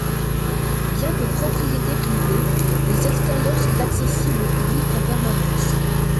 Bien que propriété privée, les extérieurs sont accessibles au public en permanence.